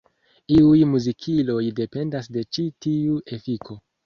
Iuj muzikiloj dependas de ĉi tiu efiko.